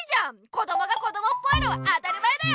こどもがこどもっぽいのは当たり前だよ！